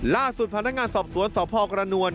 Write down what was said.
ล่าสุดพนักงานสอบสวนสพกระนวล